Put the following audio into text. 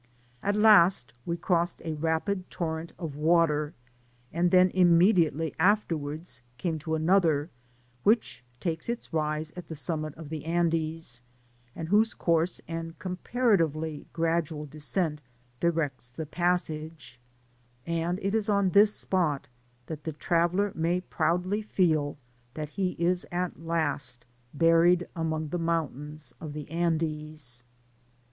Digitized byGoogk THE ORBAT CORDILLERA. 149 At last we crossed a rapid torrent of water, and then immediately afterwards came to another, which takes its rise at the summit of the Andes, and whose course and comparatively gradual descent directs the passage ; and it is on this spot that the traveller may proudly feel that he is at last buried among the mountains of the Andes.